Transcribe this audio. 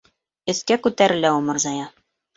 Өҫкә күтәрелә умырзая...